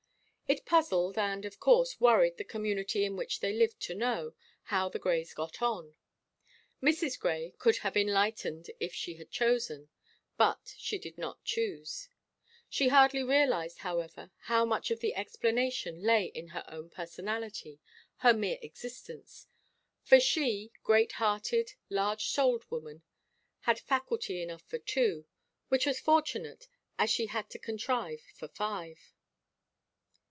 It puzzled and of course worried the community in which they lived to know "how the Greys got on." Mrs. Grey could have enlightened it had she chosen, but she did not choose. She hardly realized, however, how much of the explanation lay in her own personality, her mere existence. For she great hearted, large souled woman had "faculty" enough for two; which was fortunate, as she had to contrive for five.